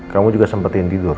kamu juga sempetin tidur